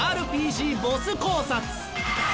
ＲＰＧボス考察。